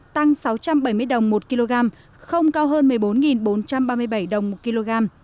tăng sáu trăm bảy mươi đồng một kg không cao hơn một mươi bốn bốn trăm ba mươi bảy đồng một kg